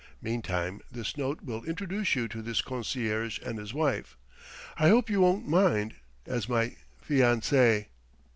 Meantime, this note will introduce you to the concierge and his wife I hope you won't mind as my fiancée.